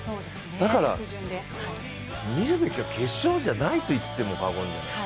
だから見るべきは決勝じゃないと言っても過言じゃない。